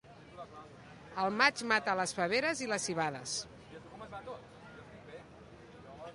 El maig mata les faveres i les civades.